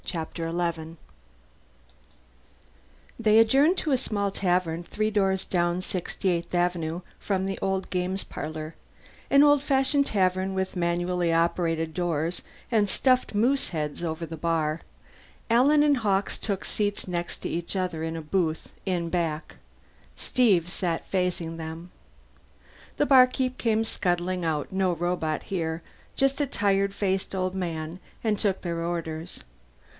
Chapter Eleven They adjourned to a small tavern three doors down 68th Avenue from the games parlor, an old fashioned tavern with manually operated doors and stuffed moose heads over the bar. Alan and Hawkes took seats next to each other in a booth in back; Steve sat facing them. The barkeep came scuttling out no robot in here, just a tired faced old man and took their orders.